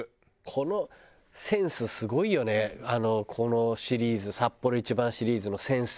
このセンスすごいよねこのシリーズサッポロ一番シリーズのセンス。